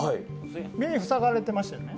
目塞がれてましたよね？